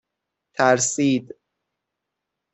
ترسید